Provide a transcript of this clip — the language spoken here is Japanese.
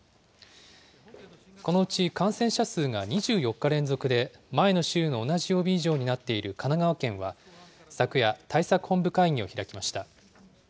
このうち感染者数が２４日連続で、前の週の同じ曜日以上になっている神奈川県は昨夜、対策本部会議を開きました。